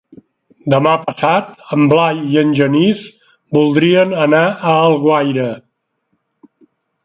Demà passat en Blai i en Genís voldrien anar a Alguaire.